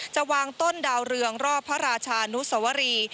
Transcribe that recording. จะวางต้นดาวเรืองรอบพระราชานุสวรี